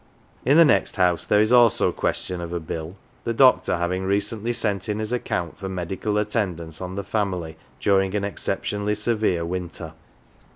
In the next house there is also question of a bill, the doctor having recently sent in his account for medical 223 HERE AND THERE attendance on the family during an exceptionally severe winter.